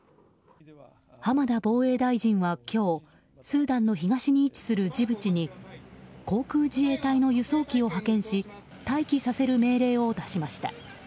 浜田防衛大臣は今日スーダンの東に位置するジブチに航空自衛隊の輸送機を派遣し待機させる命令を出しました。